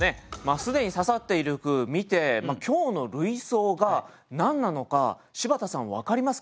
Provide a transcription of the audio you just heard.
既にささっている句見て今日の類想が何なのか柴田さん分かりますか？